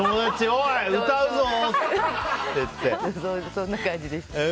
そんな感じでした。